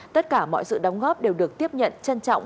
tất cả mọi sự đóng góp đều được tiếp nhận trân trọng